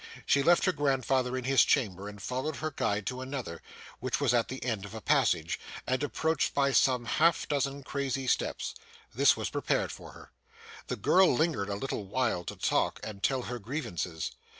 She left her grandfather in his chamber, and followed her guide to another, which was at the end of a passage, and approached by some half dozen crazy steps. This was prepared for her. The girl lingered a little while to talk, and tell her grievances.